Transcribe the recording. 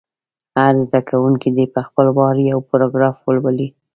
هر زده کوونکی دې په خپل وار یو پاراګراف ولولي.